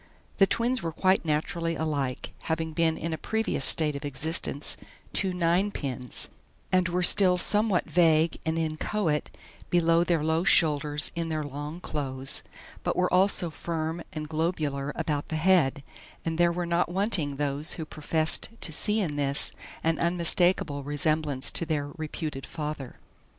The twins were quite naturally alike having been in a previous state of existence two ninepins and were still somewhat vague and inchoate below their low shoulders in their long clothes, but were also firm and globular about the head, and there were not wanting those who professed to see in this an unmistakable resemblance to their reputed father.